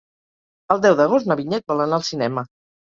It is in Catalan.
El deu d'agost na Vinyet vol anar al cinema.